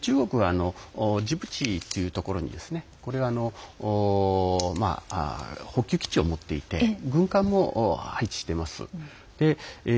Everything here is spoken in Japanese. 中国は、ジブチというところに補給基地を持っていて軍艦も配置してます。